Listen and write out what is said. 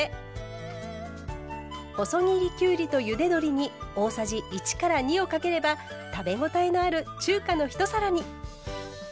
細切りきゅうりとゆで鶏に大さじ１から２をかければ食べ応えのある中華の一皿に。